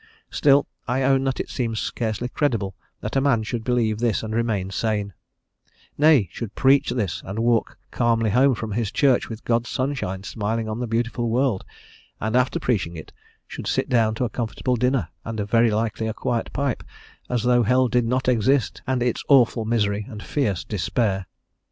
Still, I own that it seems scarcely credible that a man should believe this and remain sane; nay, should preach this, and walk calmly home from his Church with God's sunshine smiling on the beautiful world, and after preaching it should sit down to a comfortable dinner and very likely a quiet pipe, as though hell did not exist, and its awful misery and fierce despair.